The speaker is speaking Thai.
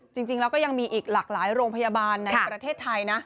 จริงแล้วก็ยังมีอีกหลากหลายโรงพยาบาลในประเทศไทยนะ